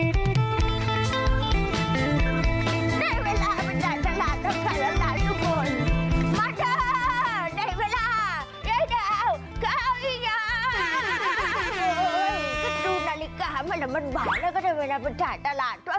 ได้เวลาประจานตลาดทำแสบล้างหลานทุกคน